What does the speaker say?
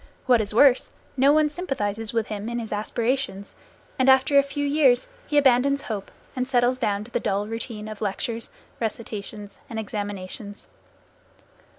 What is worse, no one sympathizes with him in his aspirations, and after a few years he abandons hope and settles down to the dull routine of lectures, recitations and examinations.